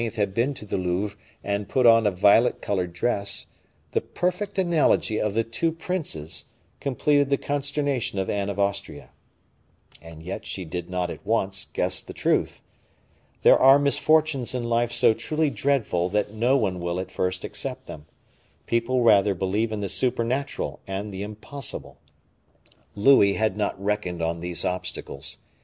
had been to the Louvre and put on a violet colored dress the perfect analogy of the two princes, completed the consternation of Anne of Austria. And yet she did not at once guess the truth. There are misfortunes in life so truly dreadful that no one will at first accept them; people rather believe in the supernatural and the impossible. Louis had not reckoned on these obstacles.